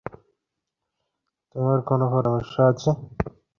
তোমার কোনো পরামর্শ আছে?